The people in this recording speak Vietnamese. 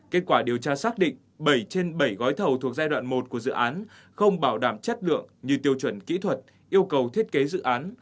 kết quả điều tra xác định bảy trên bảy gói thầu thuộc giai đoạn một của dự án không bảo đảm chất lượng như tiêu chuẩn kỹ thuật yêu cầu thiết kế dự án